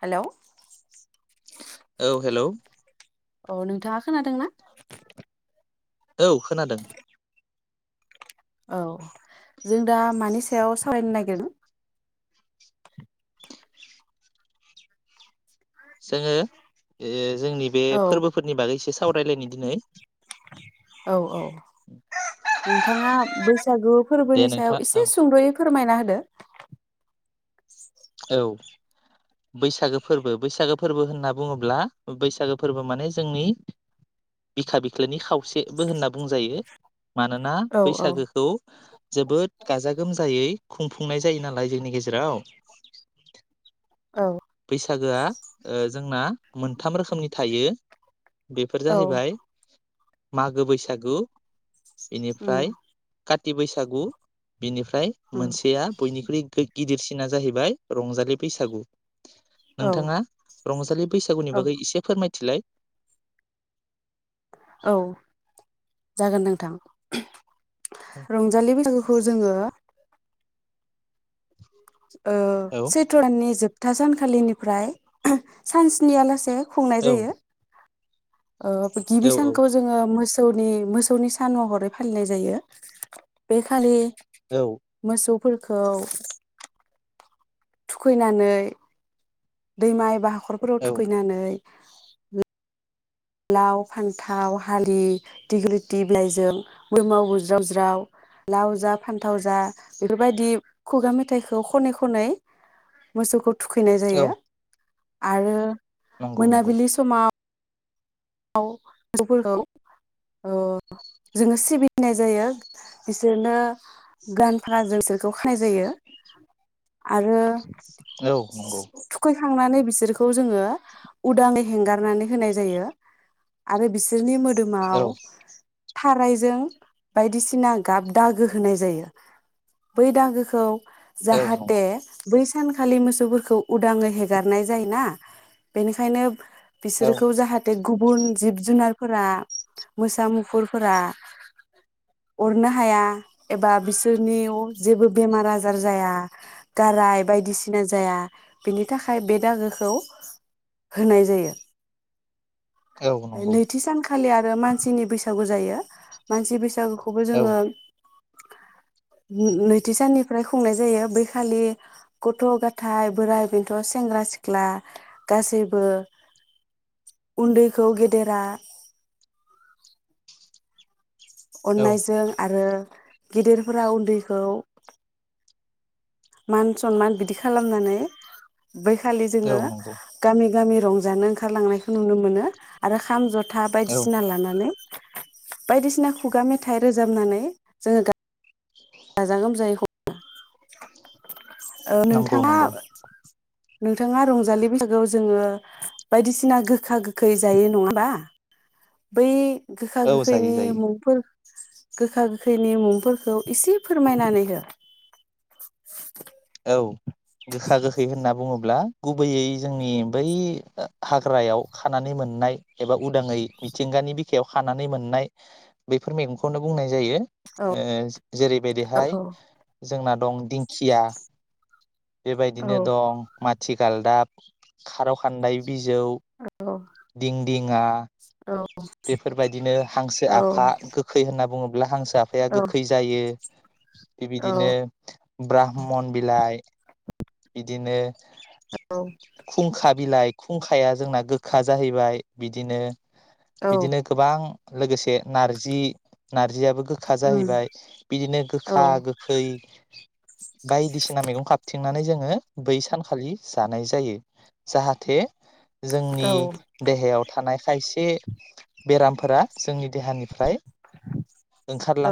Hello. औ hello. औ नोंथाङा खोनादोंना। औ खोनादों। औ जों दा मानि सायाव सावरायनो नागिरदों। जोङो ओ जोंनि बे औ फोरबोफोरनि बागैसो सावरायलायनि दिनै। औ औ। नोंथाङा बैसागु दे फोरबोनि सायाव नोंथां औ एसे सुंद'यै फोरमायना दो औ बैसागो फोरबो बैसागो फोरबो होनना बुङोब्ला बैसागो फोरबो माने जोंनि बिखा बि ख्लोनि खावसेबो होनना बुंजायो मानोना औ औ बैसागोखौ जोबोद गाजा गोमजायै। खुंफुंनाय जायो नालाय जोंनि गेजेराव। औ। बैसागोआ ओ जोंना मोनथाम रोखोमनि थायो बेफोर औ जाहैबाय मागो बैसागु उम बेनिफ्राय काथि बैसागु बेनिफ्राय उम मोनसेया बयनि बयनिख्रि गिदिरसिना जाहैबाय रंजालि बैसागु औ नोंथाङा रंजालि बैसागुनि औ बागै एसे फोरमाय थिलाय औ जागोन नोंथां रंजालि बैसागोखौ जोङो ओ औ सैथ्र' दाननि जोब था सानखालिनिफ्राय सान सनिया लासे खुंनाय औ जायो ओ गिबि औ सानखौ जोङो मोस सौनि मोसौनि सान महरै फालिनाय जायो बेखालि औ मोसौ फोरखौ थुखैनानै दैमा बा हाखरफोराव औ थुखैनानै ओ लाव फान्थाव हालि दिग्रिलिथि बिलाइजों बोरमाव बुज्रावज्राव लाव जा फान्थाव जा बेफोरबायदि खुगा मेथाइखौ खनै खनै मोसौखौ थुखैनाय औ जायो आरो नंगौ नंगौ मोनाबिलि समाव आव मोसै फोरखौ जोङो सिबिनाय जायो बिसोरनो गान फाना जों बिसोरखौ खानाय जायो आरो औ नंगौ खांनानै बिसोरखौ जोङो उदाङै हेंगारनानै होनाय जायो आरो बिसोरनि मो दोम आव औ थारायजों बायदिसिना गाब दागो होनाय जायो बै दागोखौ औ जाहाथे नंगौ बै सानखालि मोसौफोरखौ उदाङै हेगारनाय जायोना बेनिखायनो औ बिसोरखौ जाहाथ बे गुबुन जिब जुनारफोरा मोसा मुफुरफोरा अरनो हाया एबा बिसोरनियाव जेबो बेमार आजार जाया गाराय बायदिसिना जाया बेनि थाखाय बे दागोखौ होनाय जायो औ नंगौ नैथि सानखालि आरो मानसिनि बैसागु जायो मानसि बै सागुखौबो औ जोङो नैथि साननिफ्राय खुंनाय जायो बैखालि गथ गाथाय, बोराइ बेन्थ, सेंग्रा सिख्ला गासैबो उन्दैखौ गेदेरा अननायजों आरो गेदेरफोरा उन्दैखौ मान सनमान बिदि खालामनानै बै खालि औ जोङो नंगौ गामि गामि रंजानो ओंखारलांनायखौ नुनो मोनो आरो खाम ज था औ बायदिसिना लानानै बायदिसिना खुगा मेथाइ रोजाबनानै जोङो गाजा गोमजायै ओ नंगौ नोंथाङा नंगौ नोंथाङा रंजालि बैसागोआव जोङो बायदिसिना गोखा गोखै जायो नङा होमबा बै गोखा औ जायो गोखैनि जायो मुंफोर गोखा गोखैनि मुंफोरखौ इसे फोरमायनानै हो औ गोखा गोखै होनना बुङोब्ला गुबैयै जोंनि बै हाग्रायाव खानानै मोननाय एबा उदाङै मिथिंगानि बिखायाव खानानै मोननाय बैफोर मैगंखौनो बुंनाय जायो। औ ओ औ जेरैबायदिहाय जोंना दं दिंखिया बेबायदिनो औ दं मा थि गालदाब खार खान्दाय बिजौ, औ दिं दिङा औ बेफोरबायदिनो हांसो आफा गोखै होनना बुङो ब्ला हांसो आफाया औ गोखै जायो औ बिबिदिनो ब्राह्म बिलाइ बिदिनो औ खुंखा बिलाइ खुंखाया जोंना गोखा जाहैबाय बिदिनो औ बिदिनो गोबां लोगोसे नारजि नारजियाबो गोखा उम जाहैबाय बिदिनो औ गोखा गोखै बायदिसिना मैगं खाबथिंनानै जोङो बै सानखालि जानाय जायो जाहाथे जोंनि औ देहायाव थानाय खायसे बेरामफोरा जोंनि देहानिफ्राय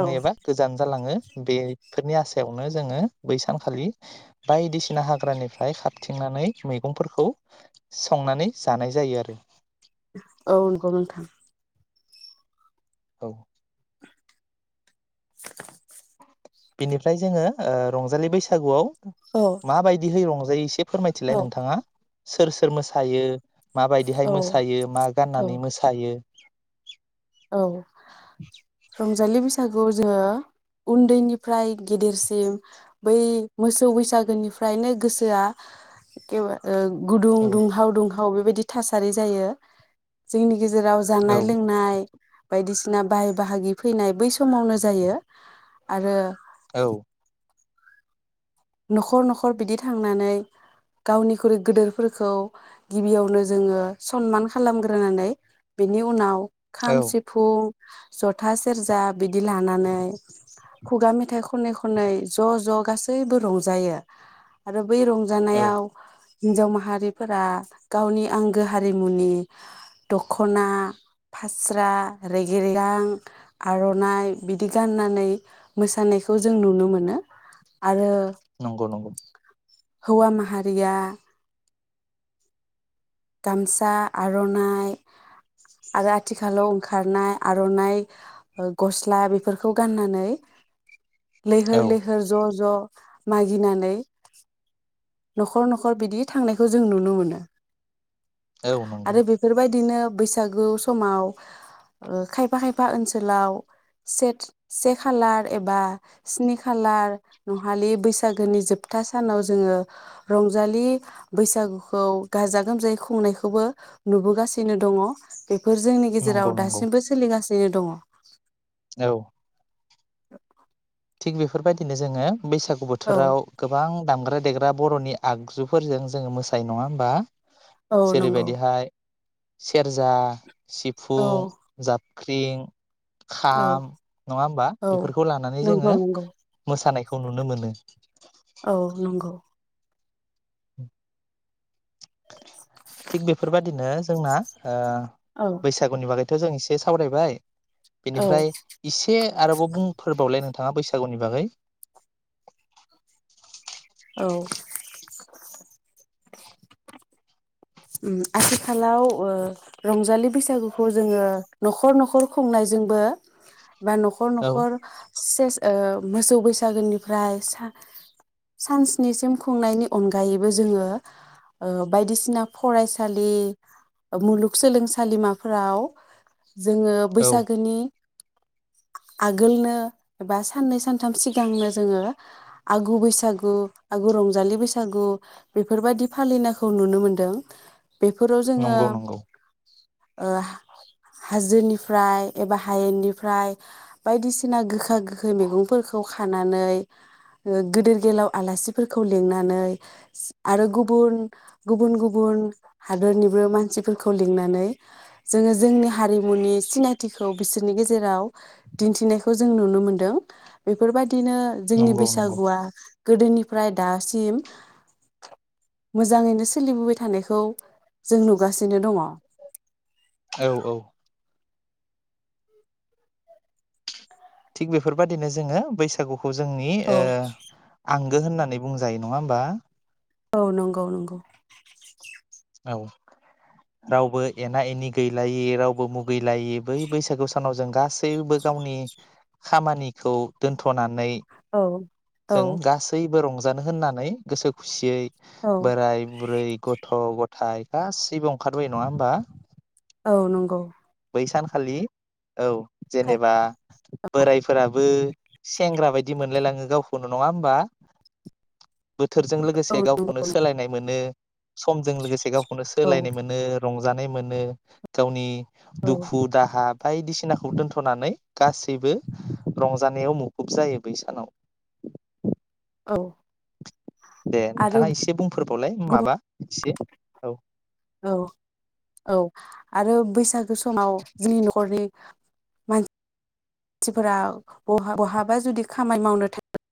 औ एबा गोजान जालाङो बेफोरनि आसायावनो जोङो बै सानखालि बायदिसिना हाग्रानिफ्राय खाबथिंनानै मैगंफोरखौ संनानै जानाय जायो आरो। औ नंगौ नोंथां औ [inaudible] बिनिफ्राय जोङो ओ रंजालि बैसागुआव औ माबायदि है रं जायो एसे फोरमायथिलाय औ नोंथाङा सोर सोर मोसायो माबायदिहाय औ मोसायो मा औ गाननानै मोसायो औ रं जालि बैसागुआव जोङो उन्दैनिफ्राय गेदेरसिम बै मोसौ बैसागुनिफ्रायनो गोसोआ एखेबारे ओ गुदुं औ दुंहाव दुंहाव बेबाय दि थासारि जायो जोंनि गेजेराव जानाय औ लोंनाय बायदिसिना बाहाय बाहागि फैनाय बै समावनो जायो आरो औ न'खर न'खर बिदि थांनानै गावनिख्रुइ गोदोरफोरखौ गिबियावनो जोङो सनमान खालामग्रोनानै बेनि उनाव खाम औ सिफुं जथा सेरजा बिदि लानानै खुगा मेथाइ खनै खनै ज' ज' गासैबो रंजायो आरो बै औ रंजानायाव हिनजाव माहारिफोरा गावनि आंगो हारिमुनि दख'ना फास्रा रेगेरेगां आर'नाइ बिदि गाननानै मोसानायखौ जों नुनो मोनो आरो नंगौ नंगौ। हौवा माहारिया गामसा आर'नाइ आरो आथिखालाव ओंखारनाय आर'नाइ ओ गस्ला बेफोरखौ गाननानै औ लैहोर लैहोर ज' ज' मागिनानै न'खर न'खर बिदि थांनायखौ जों नुनो मोनो। औ नंगौ आरो बेफोरबायदिनो बैसागु समाव ओ खायफा खायफा ओनसोलाव सेथ से खालार एबा स्नि खालार नहालि बैसागुनि जोबथा सानाव जोङो रंजालि बैसागुखौ गाजा गोमजायै खुंनायखौबो नुबोगासिनो दङ। बेफोर जोंनि नंगौ गेजेराव नंगौ दासिमबो सोलिगासि यैनो दङ। औ। थिग बेफोरबायदिनो जोंङो बैसागु औ बोथोराव गोबां दामग्रा देग्रा बर'नि आगजुफोरजों जोंङो मोसायो नंङा होमबा? औ जेरै नंगौ बायदिहाय सेरजा। औ सिफुं, जाबख्रिं। औ खाम नंङा होमबा औ बेफोरखौ लानानै नंगौ जोंङो नंगौ मोसानायखौ नुनो मोनो। औ नंगौ। उम। थिग बेफोर बायदिनो जोंना ओ औ बैसागुनि बागै बेथ' जों एसे सावरायबाय औ बेनिफ्राय इसे आरोबाव बुंफोरबावलाय नों। नोंथांङा बैसागुनि बागै। औ। उम आथिखालाव ओ रंजालि बैसागुखौ जोंङो न'खर न'खर खुंनायजोंबो बा न'खर औ न'खर से ओ मोसौ बैसागोनिफ्राय सान स्नि खुंनायनि अनगायैबो जोंङो ओ बायदिसिना फरायसालि मुलुगसोलोंसालिमाफोराव। जोंङो औ बैसागोनि आगोलनो बा साननै सानथाम सिगांनो जोंङो आगु बैसागु आगु रंजालि बैसागु बेफोरबायदि फालिनायखौ नुनो मोनदों। बेफोराव जोंङो। नंगौ नंगौ ओ हाजोनिफ्राय एबा हायेननिफ्राय बायदिसिना गोखा-गोखै मैगंफोरखौ खानानै गेदेर गोलाव आलासिफोरखौ लिंनानै आरो गुबुन गुबुन गुबुन गुबुन हादोरनिबो मानसिफोरखौ लिंनानै जोंङो जोंनि हारिमुनि सिनायथिखौ बिसोरनि गेजेराव दिन्थिनायखौ जों नुनो मोनदों बेफोरबायदि। बिदिनो जोंनि नंगौ नंगौ बैसागुआ गोदोनिफ्राय दासिम मोजांङैनो सोलिबोबाय थानायखौ जों नुगासिनो दंङ। औ औ। थिग बेफोरबायदिनो जोंङो बैसागु जोंनि ओ आं गो होननानै बुंजायो नंङा होमबा? औ नंगौ नंगौ। औ रावबो एना एनि गैलायै रावबो मुगैलायै बै बैसागु सानाव जों गासैबो गावनि खामानिखौ दोनथ'नानै औ औ बो रंजानो होननानै गोसो खुसियै बोराय बुरै गथ' ग थाय गासैबो ओंखारबाय नङा होमबा? औ नंगौ। बै सानखालि औ जेनेबा बोरायफोराबो सेंग्रा बायदि मोनलायलाङो गावखौनो नङा होमबा? बोथोरजों लोगोसे औ गावखौनो सोलायनाय मोनो समजों लोगोसे गावखौनो औ सोलायनाय मोनो रं जानाय मोनो गावनि दुखु दाहाब बायदिसिनाखौ दोन्थ'नानै गासैबो रंजानायाव मुखुब जायो बै सानाव। औ दे आरो नोंथाङा एसे बुंफोरबावलाय गुबुन माबा एसे औ औ औ आरो बैसागो समाव जोंनि न'खरनि मानसिफोरा बहा-बहाबा जुदि खामानि मावनो थाङो।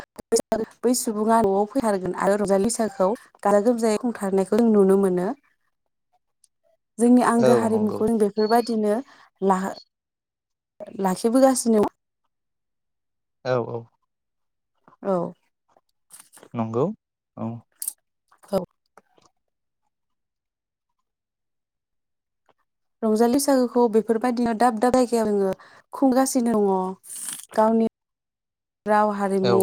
[unintelligible] बै सुबुङा न'आव फैथारगोन आरो रंजालिसाखौ गाजा गोमजायै खुंथारनायखौ जों नुनो मोनो। जोंनि आंगो औ नंगौ हारिमुखौ बेफोरबाय बिदिनो ला-लाखिबोगासिनो औ औ औ नंगौ औ औ रंजालि बैसागोखौ बेफोरबायदिनो दाब दाब जायगायाव जोङो खुंगासिनो दङ। गावनि राव औ हारिमु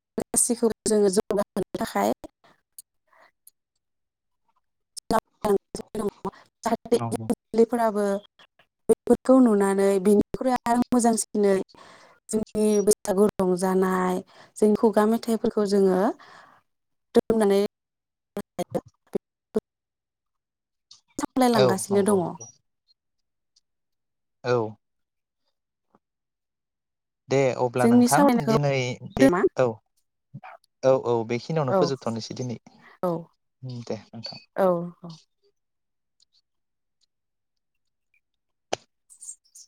गासिबखौबो जोङो जौगाहोनो थाखाय [unintelligible] फोराबो बेफोरखौ नुनानै बेनिख्रुइ आरो मोजांसिनै जोंनि बैसागु रंजानाय जोंनि खुगा मेथाइफोरखौ जोङो [unintelligible] औ सामलायलांगासिनो दङ। नंगौ औ दे अब्ला जोंनि नोंथां सावरायनायखौ दिनै बे दोनथ'नोसै नामा औ औ औ बेखिनियावनो औ फोजोबथ'नोसै दिनै दे नोंथां। औ औ